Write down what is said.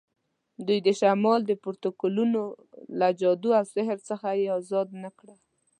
دوی د شمال د پروتوکولیانو له جادو او سحر څخه یې آزاد نه کړ.